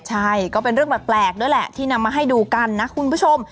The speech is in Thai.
ใช่ก็เป็นเรื่องแปลกด้วยแหละที่นำมาให้ดูกันนะคุณผู้ชม